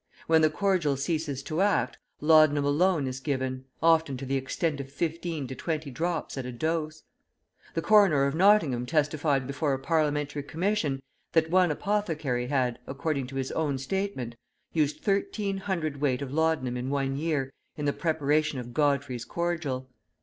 When the cordial ceases to act, laudanum alone is given, often to the extent of fifteen to twenty drops at a dose. The Coroner of Nottingham testified before a Parliamentary Commission {105a} that one apothecary had, according to his own statement, used thirteen hundredweight of laudanum in one year in the preparation of Godfrey's Cordial.